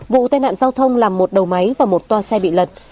vụ tai nạn giao thông làm một đầu máy và một toa xe bị lật